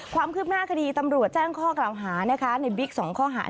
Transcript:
ความคืบหน้าคดีตำรวจแจ้งข้อกล่าวหานะคะในบิ๊ก๒ข้อหา